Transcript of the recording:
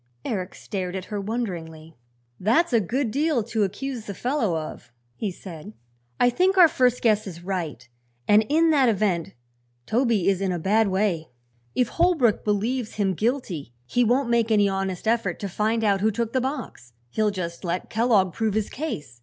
Eric stared at her wonderingly. "That's a good deal to accuse the fellow of," he said. "I think our first guess is right, and in that event Toby is in a bad way. If Holbrook believes him guilty he won't make any honest effort to find out who took the box. He'll just let Kellogg prove his case.